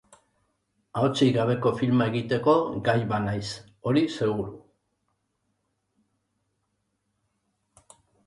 Ahotsik gabeko filma egiteko gai banaiz, hori seguru.